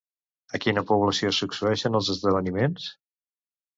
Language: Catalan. A quina població succeeixen els esdeveniments?